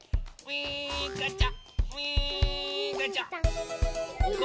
ウィーンガチャ！